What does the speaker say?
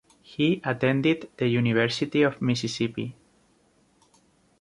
He attended the University of Mississippi.